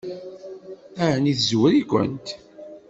Ɛni tezwar-ikent?